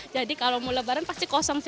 jadi kalau mau lebaran pasti kosong barang saya